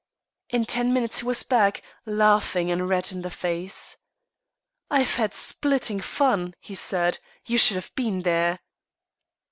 In ten minutes he was back, laughing and red in the face. "I've had splitting fun," he said. "You should have been there."